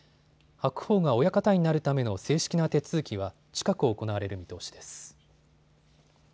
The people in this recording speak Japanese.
白鵬が親方になるための正式な手続きは近く行われる見通しです。